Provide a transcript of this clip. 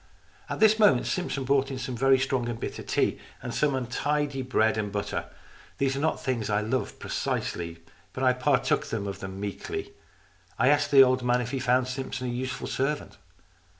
At this moment Simpson brought in some very strong and bitter tea, and some untidy bread and butter. These are not things that I love precisely, but I partook of them meekly. I asked the old man if he found Simpson a useful servant.